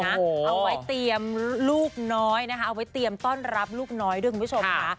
เอาไว้เตรียมลูกน้อยนะคะเอาไว้เตรียมต้อนรับลูกน้อยด้วยคุณผู้ชมค่ะ